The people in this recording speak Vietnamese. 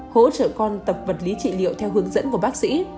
hỗ trợ con tập vật lý trị liệu theo hướng dẫn của bác sĩ